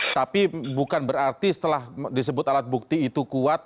tapi bukan berarti setelah disebut alat bukti itu kuat